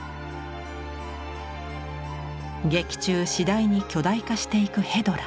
劇中次第に巨大化していくヘドラ。